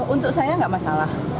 untuk saya tidak masalah